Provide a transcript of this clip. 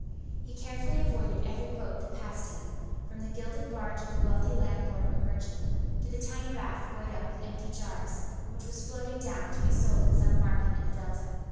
He carefully avoided every boat that passed him, from the gilded barge of the wealthy landlord or merchant, to the tiny raft buoyed up with empty jars, which was floating down to be sold at some market in the Delta.